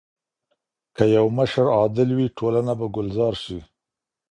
که يو مشر عادل وي ټولنه به ګلزار سي.